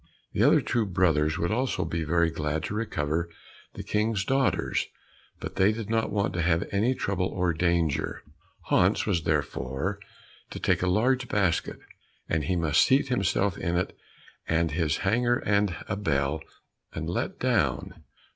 The two other brothers would also be very glad to recover the King's daughters, but they did not want to have any trouble or danger. Hans was therefore to take a large basket, and he must seat himself in it with his hanger and a bell, and be let down.